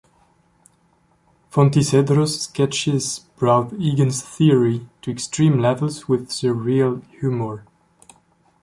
Fontecedro's sketches brought Egan's theory to extreme levels with surreal humor.